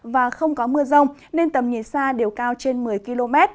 và không có mưa rông nên tầm nhiệt sa đều cao trên một mươi km